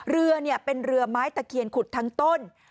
เรือเป็นเรือไม้ตะเคียนขุดทั้งต้น